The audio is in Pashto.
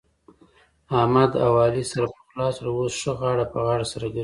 احمد اوعلي سره پخلا سول. اوس ښه غاړه په غاړه سره ګرځي.